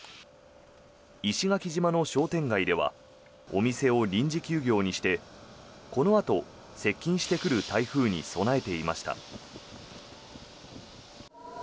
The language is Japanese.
石垣島の商店街ではお店を臨時休業にしてこのあと接近してくる台風に備えていました。